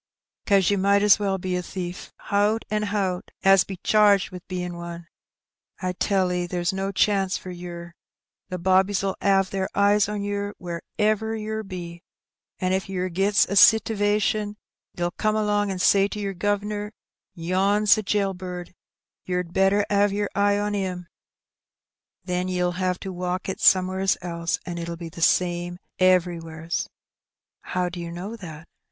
"'Cause yer might as well be a thief, hout an' hout, as Perks Again. 191 be charged wi' bein' one. I tell 'e there^s no chance for yer : the bobbies '11. 'ave their eyes on yer wherever yer bej and if yer gits a sitivation they'll come along an' say to yer guv'nor, ^ Yen's a jail bird, yer'd better 'ave yer eye on 'im;' then ye'll 'ave to walk it somewheres else, an' it'll be the same everywheres." ''How do you know that?"